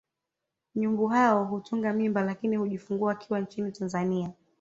Nyumbu hao hutunga mimba lakini hujifungua wakiwa nchini Tanzania